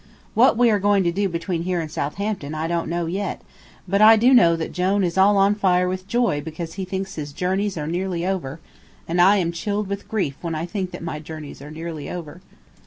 What we are going to do between here and Southampton I don't know yet; but I do know that Jone is all on fire with joy because he thinks his journeys are nearly over, and I am chilled with grief when I think that my journeys are nearly over.